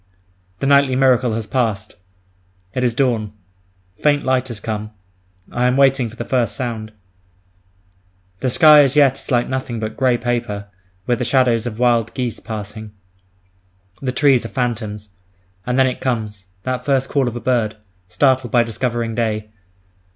The nightly miracle has passed. It is dawn. Faint light has come. I am waiting for the first sound. The sky as yet is like nothing but grey paper, with the shadows of wild geese passing. The trees are phantoms. And then it comes—that first call of a bird, startled at discovering day!